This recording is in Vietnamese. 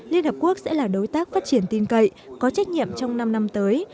liên hợp quốc sẽ là đối tác phát triển tin cậy có trách nhiệm trong năm năm tới